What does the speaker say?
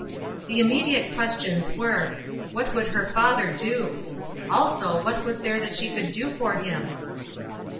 The immediate questions were : What would her father do ? Also, what was there that she could do for him